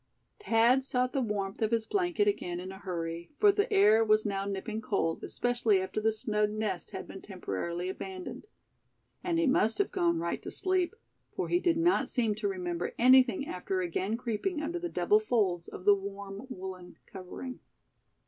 Thad sought the warmth of his blanket again in a hurry, for the air was now nipping cold, especially after the snug nest had been temporarily abandoned. And he must have gone right to sleep, for he did not seem to remember anything after again creeping under the double folds of the warm woolen covering.